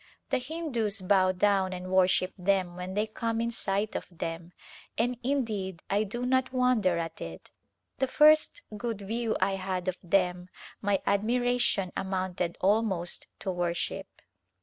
The Hindus bow down and worship them when they come in sight of them, and indeed I do not wonder at it. The first good view I had of them my admiration amounted almost to worship.